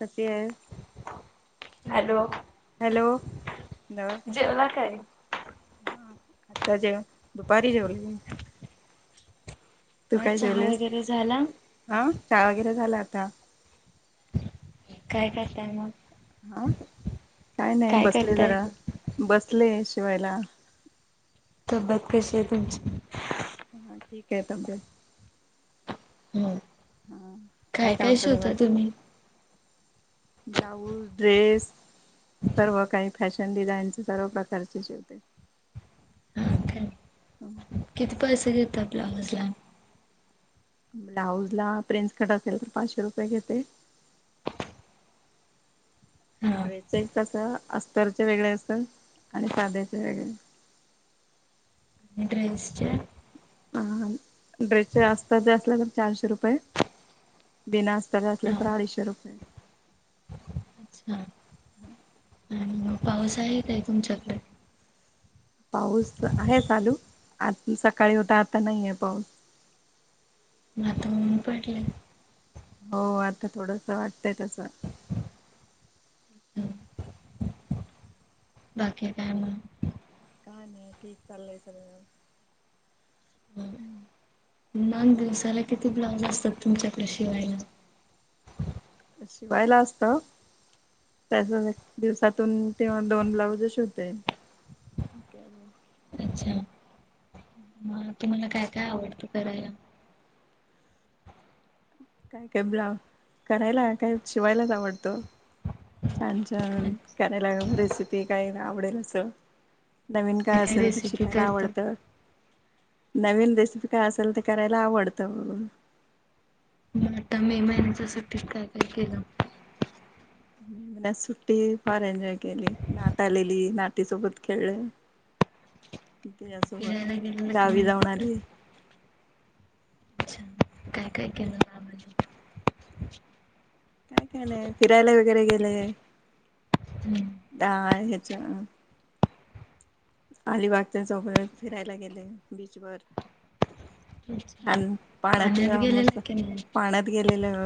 [unintelligible] आहे. Hello hello एंद जेवला काय? ह आता जेव दुपारी जेव ल तू मग काय चहा केलेस वगैरे झाला हा चहा वगैरे झाला आता काय करताय मग हा काय नाही बसले जरा बसले शवायला सबत कशी आहे तुमची हा ठीक आहे तब्येत हम हा काय आहेत काय औषधं शिवता वगैरे तुम्ही ब्लाऊज ड्रेस सर्व काही फॅशन डिझाईनचे सर्व प्रकारचे शेवते हा काय किती पैसे घेतात ब्लाऊज ला ब्लाउज ला प्रिंसकट असेल तर पाचशे रुपये घेते हा ड्रेस एक कस अस्तरच वेगळ असतय आणि साध्याच वेगळ [inaudible] ्रेसच्या हा ड्रेसचे असत ज असल्या तर चारशे रुपये बिना आस्तर असल हा तर अडीचशे रुपये अच्छा आणि मग पाऊस आहे का तुमच्याकडे? पाऊस आहे चालू आज सकाळी होता आता नाही आहे पाऊस. नाता ऊनं पडलंय हो आता थोडस वाटतय तसं हो. बाकी काय मग? काय नाही ठीक चाललंय सगळं. हम्म. मग दिवसाला किती ब्लाऊज असतात तुमच्याकडे शिवायला? शिवायला असतं त्यास दिवसातून तेव्हा दोन ब्लाउज शिवते [inaudible] तुमाला काय काय आवडतं करायला? काय काय ब्ला करायला काय शिवायलाच आवडतं. छान छान काय करायला रेसिपी काही ना आवडेल अस नवीन काय असेल तर रेसिपी शिकायला करता? आवडतं. नवीन रेसिपी काय असेल ते करायला आवडतं मग आता मे महिन्याच्या सुट्टीत काय काय केलं? हे महिन्याच्या सुट्टीत फार एन्जॉय केली, नात आलेली नातीसोबत खेळलं [inaudible] फिरायला गेलेला काय गावी नाही जाऊन कुटं? आले. अच्छा काय काय केलं मामाने? काय काय नाही फिरायला वगैरे गेले दा हेच अलिबागच्या चौ फिरायला गेले बीचवर आणि पाण्यात गेलेलं मस्त की नाही पाण्यात गेलेलं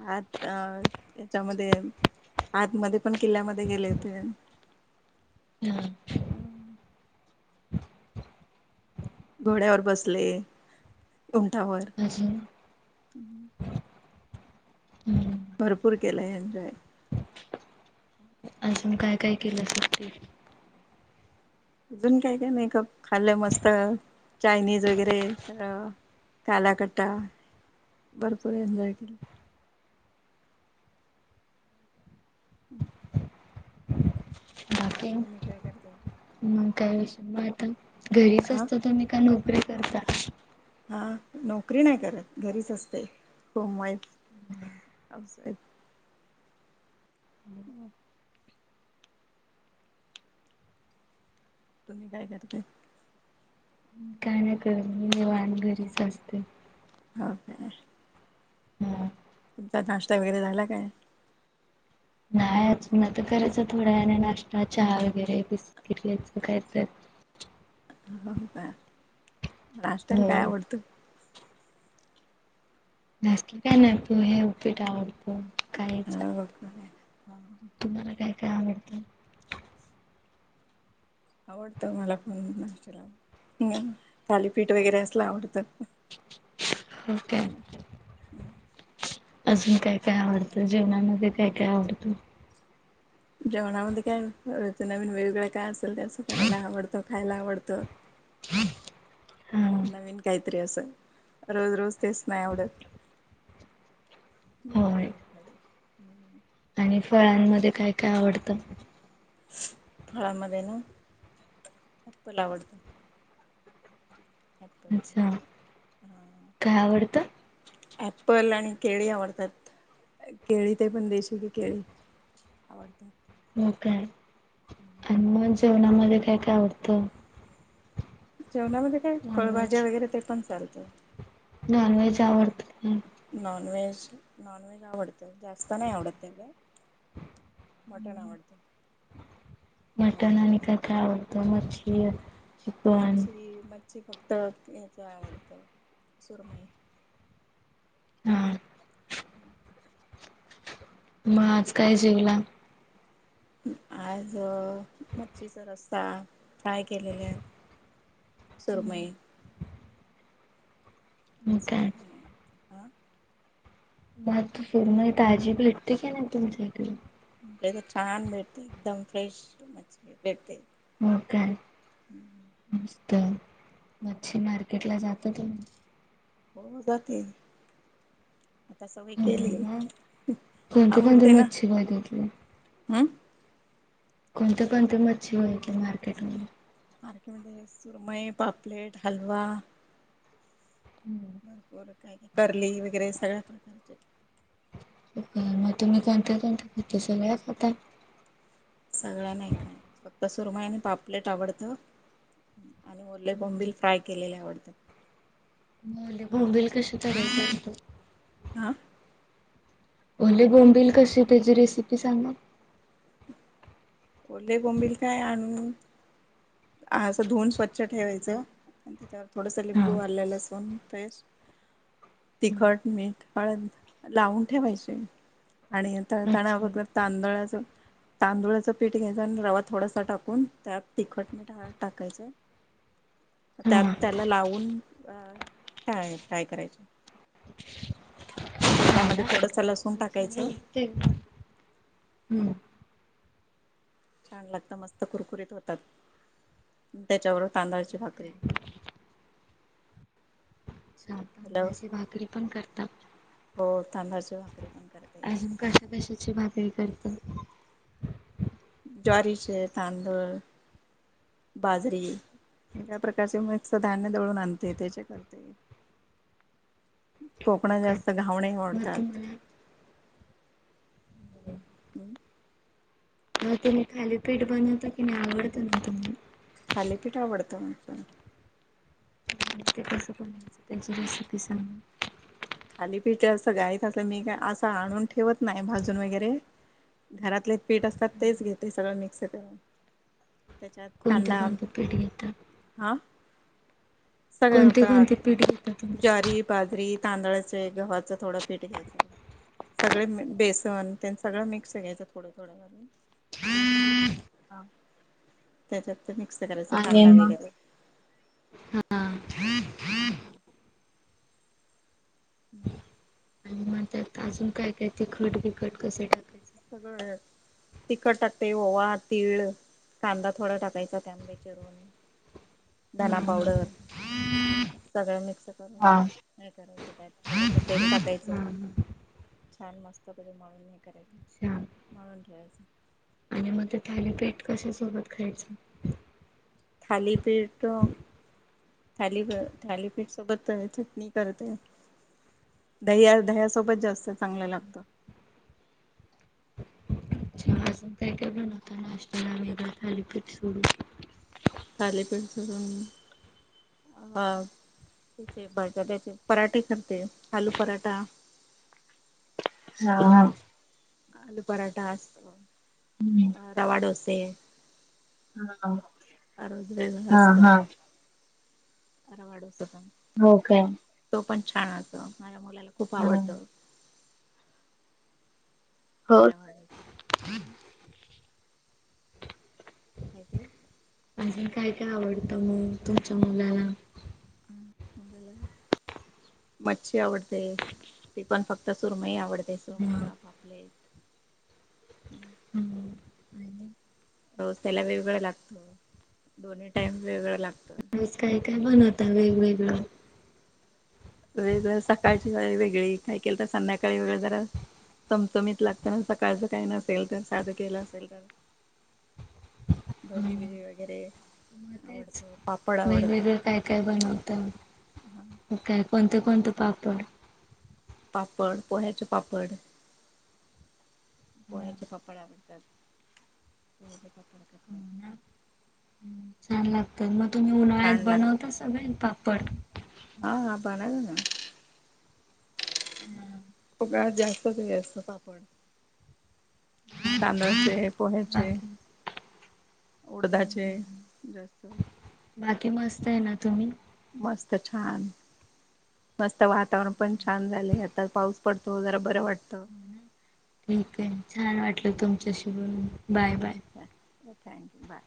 आ अ त्याच्यामध्ये आतमध्ये पण किल्ल्यामध्ये गेले होते. हम हम्म घोड्यावर बसले [unintelligible] हम्म हम्म भरपूर केलं एन्जॉय. अजून काय काय केलंसा ते अजून काय काय नाही खप खाल्लं मस्त चायनीज वगैरे सगळं कालाकट्टा भरपूर एन्जॉय केलं. हम्म बाकी तुम्ही काय करताय? मग काय विषय, म आता घरीच अ असता तुम्ही का नोकरी करता? हा नोकरी नाही करत, घरीच असते होमवाईफ. हाऊसवाईफ. हम् तुम्ही काय करताय? काय नाही करत मी निवांत घरीच असते. हो काय हम् तुमचा नाश्ता वगैरे झाला काय? नाय अजून आता करायच थोडा वेलाने नाश्ता, चहा वगैरे बिस्किट खायचं कायतर [inaudible] हो का नाष्ट्याला काय हो आवडत? जास्त काय नाही पोहे, उपीट आवडतं. खायचं हो काय. तुम्हाला काय काय आवडत? आवडत मला पण नाष्ट्याला म थालीपीठ वगैरे असलं आवडतं हो काय हम्म. अजून काय काय आवडतं जेवणामध्ये काय काय आवडतं? जेवणामध्ये काय ते नवीन वेगवेगळं काय असल ते असं करायला आवडतं खायला आवडतं [unintelligible] हा नवीन काहीतरी असं रोज रोज तेच नाही आवडत हम्म डाळ होय भात भाजी हम्म आणि फळांमध्ये काय काय आवडतं? फळामध्ये ना आपलं आवडत अच्छा! काय आवडतं? ॲपल आणि केळी आवडतात केळी ते पण देशिची केळी आवडतात हो काय आणि मग जेवणामध्ये काय काय आवडत? जेवणामध्ये काय फळभाज्या वगैरे ते पण चालतय नॉनव्हेज आवडत काय? नॉनव्हेज नॉनव्हेज आवडत. जास्त नाही आवडत तेवढं मटण आवडतं मटण आणि नॉनव्हेज काय काय आवडतं? मच्छी, चिकन मच्छी मच्छी फक्त हेच आवडत सुरमई हा हम्म मग आज काय जेवला? आज अ मच्छीचा रस्सा काय केलेलं आहे? सुरमई. मग काय आज सुरमई हा मस्त सुरमई ताजी भेटते कि नाही तुमच्याइकडे? तर छान भेटते एकदम फ्रेश मच्छि भेटते मग काय मस्त मच्छि मार्केट ला जा [unintelligible] हो जाते. आता सवय हो केली मग हाय कोणती कोणती आवडते ना मच्छी बघितली कोणते कोणते मच्छी ओळखत्यात मार्केट मध्ये? ह्याच्यामंदे सुरमई, पापलेट, हलवा हो भरपूर काय काय करली वगैरे सगळ्यां प्रकारचे मगं काय मगं तुम्ही कोणत्या कोणत्या खाता सगळ्या खाता? सगळ्यां नाही काय फक्त सुरमाई आणि पापलेट आवडतं. आणि ओले बोंबिल फ्राय केलेले आवडतात. म ओले बोंबील कशी तयार करतो? आ! ओले बोंबील कशी त्याची रेसिपी सांगाल? ओले बोंबील काय आणून हा असं धुवून स्वच्छ ठेवायचं आणि त्याच्यावर थोडसं हा लिंबू, आल्ल-लसूण पेस्ट, तिखट, हम्म. मीठ हळद लावून ठेवायचे आणि नंतर अच्छा तव्यावर तांदळाच तांदुळाच, पीठ घ्यायचा आणि रवा थोडासा टाकून त्यात तिखट, मीठ, हळद टाकायचं, हा त्यात त्याला लावून अ तळाय फ्राय करायचे होय ना तेलामध्ये थोडंसं लसूण म्हणजे मी टाकायचं तेव्हा हम्म. छान लागत, मस्त कुरकुरीत होतात, त्याच्याबरोबर - तांदळाची भाकरी. काय, अच्छा हॅलो तांदळाची भाकरी पण करता? हो तांदळाची भाकरी पण करते. अजून कशा कशाची भाकरी करता? ज्वारीची, तांदूळ, बाजरी. सगळ्या प्रकारचे मिक्स धान्य दळून आणते त्याचे करते. कोकणात काय जास्त घावणे मग आवडतात. तुम्हाला हम्म. अहो तुम्ही थालीपीठ बनवता की नाही, आवडत ना तुम्हाला थालीपीठ आवडतं मला पणं. ते कसं करायचं, त्याची रेसिपी सांगा. थालीपीठ असं घाईत असल्याव मी कायं आसं आणून ठेवत नाही भाजून वगैरे. घरातले पीठ असतात, तेच घेते सगळं मिक्स करून. त्याच्यात कोणते कांदा कोणते पीठ घेतात हा सगळं कोणते होतात कोणते पीठ घेता तुम्ही ज्वारी, बाजरी, तांदळा चं, गव्हाच थोडं पीठ घ्यायचं, सगळे बेसन तेनं सगळं मिक्स घ्यायचं थोडं थोडं करून [unintelligible] त्याच्यात ते मिक्स करायचा आणि कांदा मग वगैरे. हा हा. आणि मगं त्यात अजून काय काय तिखट बिखट कसं टाकाय सगळं. तिखट टाकते, ओवा, तीळ, कांदा थोडा टाकायचा त्यामध्ये चिरून. धना हा हा पावडर, सगळें मिक्स करून हा हा नाही करायचं, त्यात थोडंस तेल टाकायचं, हा छान मस्त पीठ मळून करायचं अच्छा मळून ठेवायचं आणि मगं ते थालीपीठ कशा सोबत खायचं? थालीपीठ थाली थालीपीठ सोबत चटणी करते. दह्या, दह्यासोबत जास्त चांगलं लागत. अच्छा अजून काही? नता नाशताला वेग सॅलिब्रिट सोडू [inaudible] हूं, आ. ते बटाट्याचे पराठे करते आलू पराठा. हा. आलू पराठा असतो, रवा डोसे. हम, हा हा. अर वाडूस पणं. हो काय? पण छान असत, माझ्या मुलाला खूप आवडत. अरे वा. हम. काय ते? अजून काय काय आवडतं मग तुमच्या मुलाला? मच्छी आवडते, ती पण फक्त सुरमई आवडते. ते हा. समुद्र पापलेट. हम्. हू. रोज त्याला वेगळं लागतं, दोन्ही टाइम वेगवेगळं लागत. रोज काय काय बनवता वेगवेगळं? वेगळ, सकाळची थाळी वेगळी, काही केलं तर संध्याकाळी वेगळं जरा चमचमीत लागत ना, सकाळचं काही नसेल तर साधं केलं असेल तर. भजी बिजी मग वगैरे. तेच आवडतं पापड आवडतं वेगवेगळं काय काय बनवतात काय कोणते कोणते पापड पापड पोह्याचे पापड हो पोह्याचे पापड आड [inaudible] हा चांगला [inaudible] तर मग तुम्ही उन्हाळ्यात छान लागत बनवता सगळे पापड. हा हा बनवला ना हम्म का जास्तच जास्त अस्त पापड. तांदळाचे पोह्याचे. बाकी उडधाचे जास्त. बाकी मस्त आहे ना तुम्ही. मस्त छान. मस्त वातावरण पण छान झाले आता पाऊस पडतो जरा बरं वाटत. ठीक आहे छान वाटलं तुमच्याशी बोलून बाय बाय. Thank you bye.